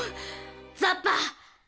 ザッパ！